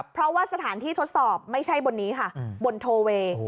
เพราะว่าสถานที่ทดสอบไม่ใช่บนนี้ค่ะบนโทเวย์